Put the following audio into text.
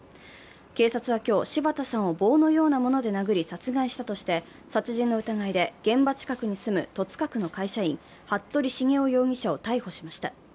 警察は今日、柴田さんを棒のようなもので殴り殺害したとして殺人の疑いで現場近くに住む戸塚区の会社員・服部繁雄容疑者を逮捕しました。